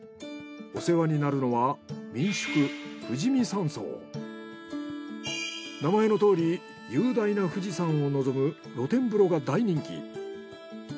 お世話になるのは民宿名前のとおり雄大な富士山を望む露天風呂が大人気。